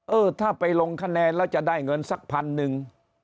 เออถ้าไปลงคะแนนแล้วจะได้เงินสักพันหนึ่ง